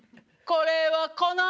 「これは」